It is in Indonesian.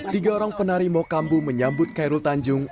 tiga orang penari mokambu menyambut kairul tanjung